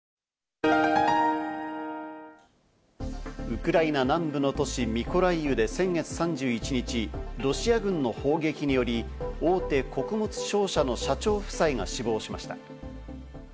ウクライナ南部の都市ミコライウで先月３１日、ロシア軍の砲撃により大手穀物商社の社長夫妻が死亡しました。